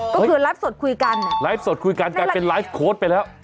ก็คือไลฟ์สดคุยกันไลฟ์สดคุยกันกลายเป็นไลฟ์โค้ดไปแล้ว